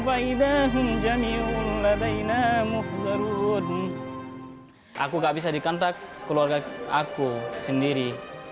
aku tidak bisa dikontak keluarga aku sendiri